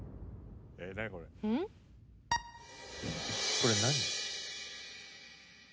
これ何？